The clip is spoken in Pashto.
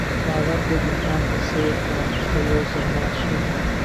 باور د ګلدان په څېر دی که یو ځل مات شو.